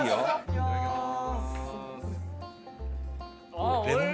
「いただきます」